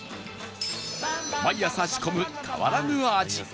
毎朝仕込む変わらぬ味